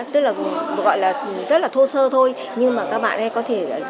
tức là gọi là rất là thô sơ thôi nhưng mà các bạn ấy có thể